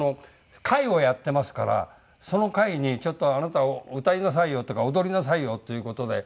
会をやってますからその会に「ちょっとあなた歌いなさいよ」とか「踊りなさいよ」という事で。